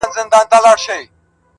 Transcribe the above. خدایه دا څه کیسه وه، عقيدې کار پرېښود~